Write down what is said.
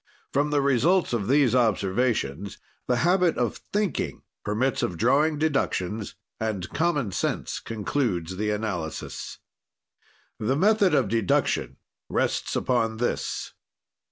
"From the result of these observations, the habit of thinking permits of drawing deductions and common sense concludes the analysis. "The method of deduction rests upon this.